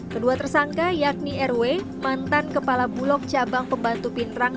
kedua tersangka yakni rw mantan kepala bulog cabang pembantu pindrang